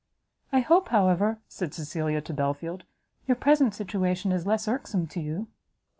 "I hope, however," said Cecilia to Belfield, "your present situation is less irksome to you?"